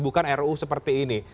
bukan ruu seperti ini